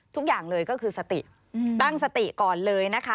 ทุกอย่างเลยก็คือสติตั้งสติก่อนเลยนะคะ